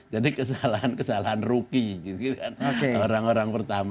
jadi kesalahan kesalahan rookie gitu kan orang orang pertama